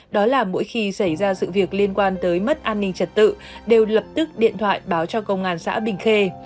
đó là mỗi khi xảy ra sự việc liên quan tới mất an ninh trật tự đều lập tức điện thoại báo cho công an xã bình khê